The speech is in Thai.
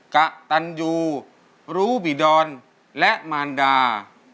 กะตันยูรูบิดอนและมารดา